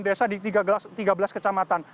tahun ini bertambah tahun ini bertambah